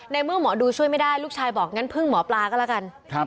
เมื่อหมอดูช่วยไม่ได้ลูกชายบอกงั้นพึ่งหมอปลาก็แล้วกัน